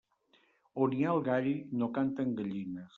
On hi ha el gall, no canten gallines.